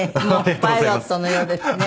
パイロットのようですね。